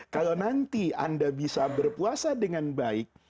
kalau nanti anda bisa berpuasa dengan baik